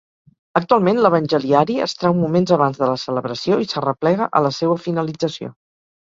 Actualment, l'evangeliari es trau moments abans de la celebració i s'arreplega a la seua finalització.